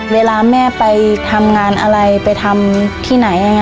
เวลาแม่ไปทำงานอะไรไปทำที่ไหน